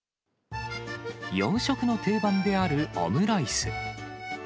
洋食の定番であるオムライス。